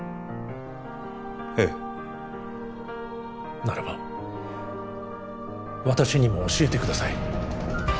ええならば私にも教えてください